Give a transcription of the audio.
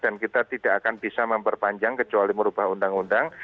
dan kita tidak akan bisa memperpanjang kecuali merubah undang undang